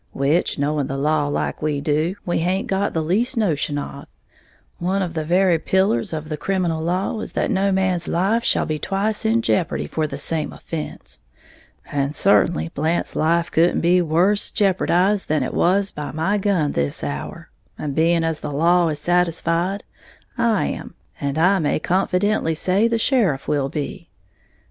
Which knowing the law like we do, we haint got the least notion of, one of the very pillars of the criminal law is that no man's life shall be twice in jeopardy for the same offense; and certainly Blant's life couldn't be worse jeoparded than it was by my gun this hour; and being as the law is satisfied, I am, and I may confidently say the sheriff will be.